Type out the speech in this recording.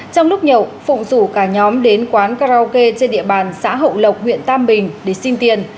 trong lúc nhậu phụng rủ cả nhóm đến quán karaoke trên địa bàn xã hậu lộc huyện tam bình để xin tiền